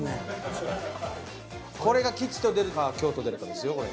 これが吉と出るか凶と出るかですよこれ。